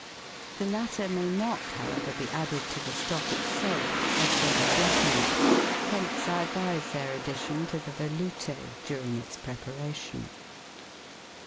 The latter may not, however, be added to the stock itself, as they would blacken it ; hence I advise their addition to the Veloute during its preparation.